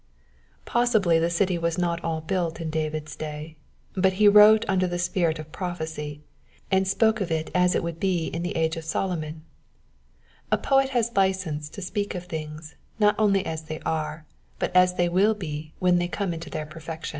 Possibly the city teas not all buUt in David's day, but he wrote uiuler the spirit of prophecy, and spoke of it as it would be in the age of ISolomon ; a poet has license to speak of things, not only as they are, but as they will be when they come to their petfectUm.